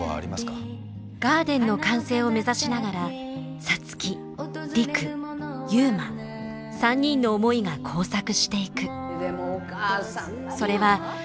ガーデンの完成を目指しながら皐月陸悠磨３人の思いが交錯していく。